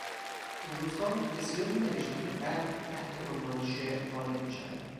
این روزها بسیاری نوشتهی بدتحت عنوان شعر قالب میشود.